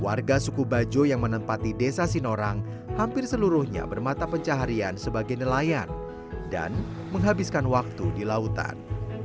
warga suku bajo yang menempati desa sinorang hampir seluruhnya bermata pencaharian sebagai nelayan dan menghabiskan waktu di lautan